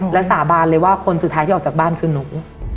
และสาบานเลยว่าคนสุดท้ายที่ออกจากบ้านคือหนู